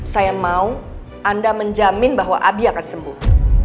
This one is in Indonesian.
saya mau anda menjamin bahwa abi akan sembuh